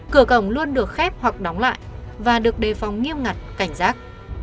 cửa cổng luôn được khép hoặc đóng lại và được đề phòng nghiêm ngặt cảnh giác